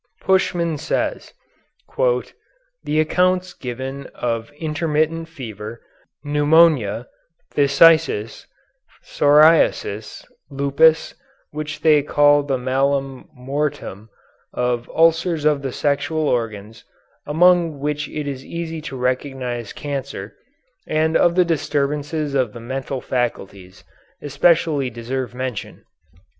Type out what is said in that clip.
Puschmann says: "The accounts given of intermittent fever, pneumonia, phthisis, psoriasis, lupus, which they called the malum mortuum, of ulcers on the sexual organs, among which it is easy to recognize chancre, and of the disturbances of the mental faculties, especially deserve mention."